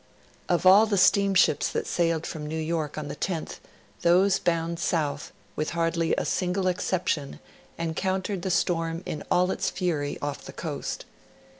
Of all the steamships that sailed from New York on the 10th, those bound south, with hardly a single exception, encountered the storm in all its fury, off the coast.